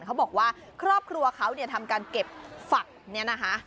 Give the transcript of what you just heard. เขาบอกว่าครอบครัวเขาเนี่ยทำการเก็บฝักเนี่ยนะคะ